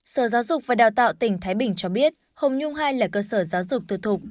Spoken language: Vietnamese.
sở giáo dục và đào tạo tỉnh thái bình cho biết hồng nhung hai là cơ sở giáo dục tư thục